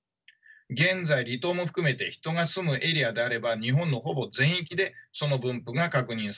現在離島も含めて人が住むエリアであれば日本のほぼ全域でその分布が確認されています。